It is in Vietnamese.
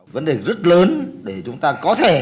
vấn đề rất lớn để chúng ta có thể